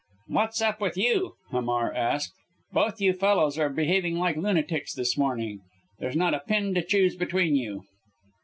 "What's up with you?" Hamar asked. "Both you fellows are behaving like lunatics this morning there's not a pin to choose between you."